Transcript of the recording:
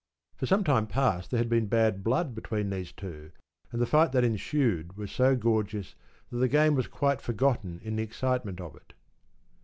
For some time past there had been bad blood between these two, and the fight that ensued was so gorgeous that the game was quite forgotten in the excitement of it.